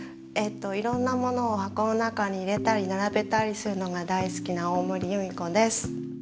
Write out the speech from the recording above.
いろんなものを箱の中に入れたりならべたりするのが大好きな大森裕美子です。